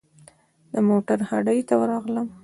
د موټرو هډې ته ورغلم.